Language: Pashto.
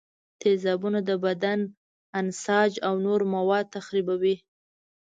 تیزابونه د بدن انساج او نور مواد تخریبوي.